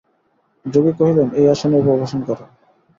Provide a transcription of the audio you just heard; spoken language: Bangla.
যোগী কহিলেন, এই আসনে উপবেশন কর।